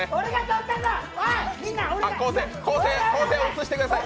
生を映してください。